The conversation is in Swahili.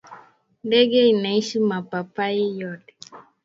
Ndege inaisha mapapayi yote